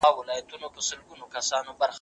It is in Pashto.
د دغې کیسې په پای کي موږ ډېر څه زده کړل.